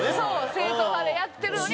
正統派でやってるのに。